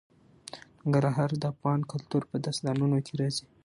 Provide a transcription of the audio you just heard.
ننګرهار د افغان کلتور په داستانونو کې راځي.